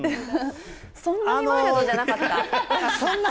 そんなにワイルドじゃなかった。